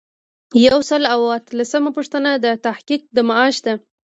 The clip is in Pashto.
یو سل او اتلسمه پوښتنه د تحقیق د معاش ده.